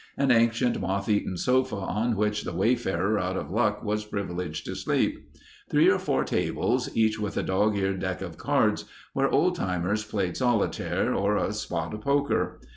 An ancient, moth eaten sofa on which the wayfarer out of luck was privileged to sleep. Three or four tables, each with a dog eared deck of cards where old timers played solitaire or a spot of poker.